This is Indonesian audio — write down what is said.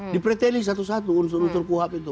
di preteli satu satu unsur unsur kuhab itu